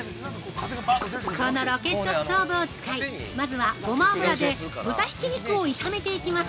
このロケットストーブを使いまずは、ごま油で豚ひき肉を炒めていきます。